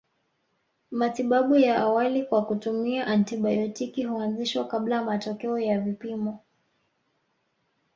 Matibabu ya awali kwa kutumia antibayotiki huanzishwa kabla matokeo ya vipimo